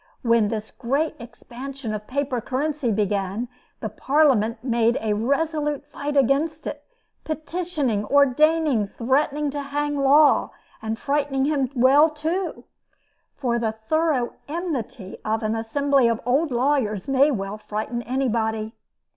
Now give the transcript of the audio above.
When this great expansion of paper currency began, the Parliament made a resolute fight against it, petitioning, ordaining, threatening to hang Law, and frightening him well, too; for the thorough enmity of an assembly of old lawyers may well frighten anybody.